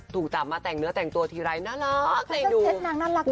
ถูกจับมาแต่งเนื้อแต่งตัวทีไรน่ารักมาก